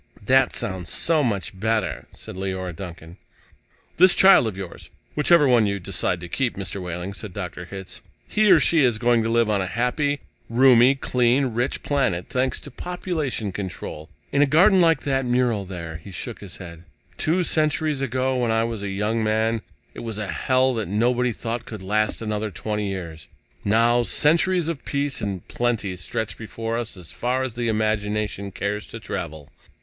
"That sounds so much better," said Leora Duncan. "This child of yours whichever one you decide to keep, Mr. Wehling," said Dr. Hitz. "He or she is going to live on a happy, roomy, clean, rich planet, thanks to population control. In a garden like that mural there." He shook his head. "Two centuries ago, when I was a young man, it was a hell that nobody thought could last another twenty years. Now centuries of peace and plenty stretch before us as far as the imagination cares to travel."